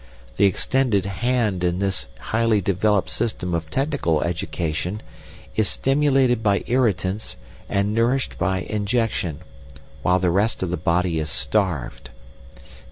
The extended 'hand' in this highly developed system of technical education is stimulated by irritants and nourished by injection, while the rest of the body is starved.